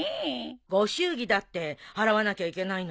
ご祝儀だって払わなきゃいけないのよ。